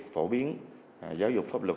phổ biến giáo dục pháp luật